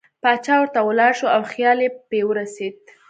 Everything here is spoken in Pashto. باچا ورته ولاړ شو او خیال یې په ورسېد.